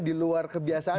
di luar kebiasaan